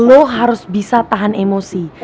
lo harus bisa tahan emosi